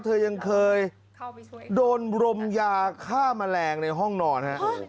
เธอยังเคยโดนรมยาฆ่าแมลงในห้องนอนฮะ